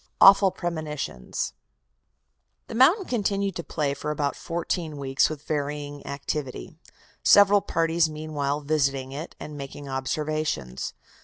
AWFUL PREMONITIONS The mountain continued to play for about fourteen weeks with varying activity, several parties meanwhile visiting it and making observations.